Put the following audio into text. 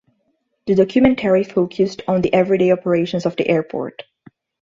The documentary focused on the everyday operations of the airport.